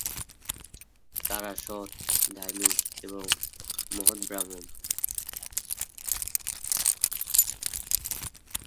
তারা সৎ, ধার্মিক এবং মহৎ ব্রাহ্মণ।